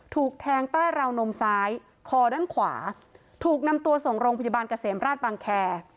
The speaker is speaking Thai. ถูกแทงใต้ราวนมซ้ายคอด้านขวาถูกนำตัวส่งโรงพยาบาลเกษมราชบางแค